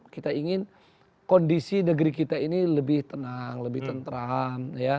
kita ingin kondisi negeri kita ini lebih tenang lebih tentram